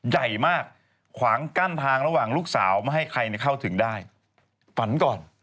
ใหญ่มากขวางกั้นทางระหว่างลูกสาวไม่ให้ใครเข้าถึงได้ฝันก่อน